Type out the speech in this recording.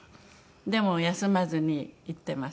でも休まずに行ってます。